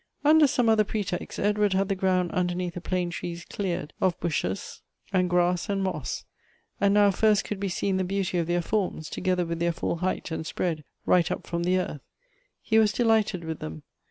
Under some other pretext, Edward had the ground underneath the plane trees cleared of bushes and grass 120 Goethe's and moss. And now first could be seen the beauty of their forms, together with their full height and spread, right up from the earth. He was delighted with them.